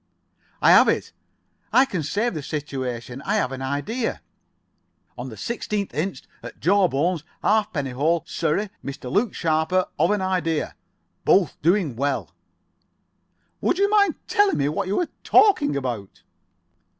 "I have it. I can save the situation. I have an idea. On the 16th inst., at Jawbones, Halfpenny Hole, Surrey, Mr. Luke Sharper, of an idea. Both doing well." "Would you mind telling me what you are talking about?"